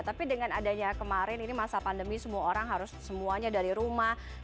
tapi dengan adanya kemarin ini masa pandemi semua orang harus semuanya dari rumah